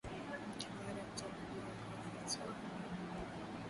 Baada ya kuchaguliwa akawa Rais wa awamu ya nane